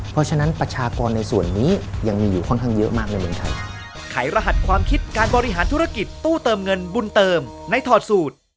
เพราะฉะนั้นประชากรในส่วนนี้ยังมีอยู่ค่อนข้างเยอะมากในเมืองไทย